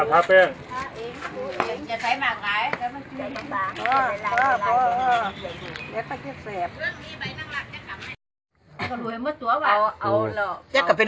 สิบแปดสิบแปดสิบแปด